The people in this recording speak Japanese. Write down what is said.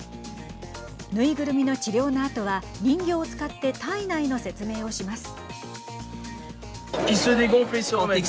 縫いぐるみの治療のあとは人形を使って体内の説明をします。